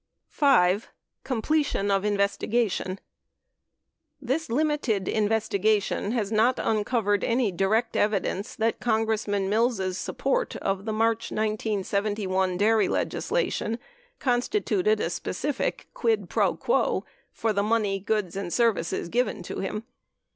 ..." 18 5. COMPLETION OF INVESTIGATION This limited investigation has not uncovered any direct evidence that Congressman Mills' support of the March, 1971 dairy legislation constituted a specific quid fro quo for the money, goods and services given to him.